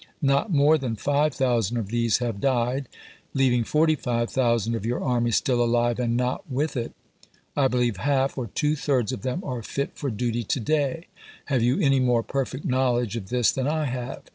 Not more than 5000 of these have died ; leaving 45,000 of your army still alive and not with it. I believe half or two thirds of them are fit for duty to day. Have you any more perfect knowledge of this than I have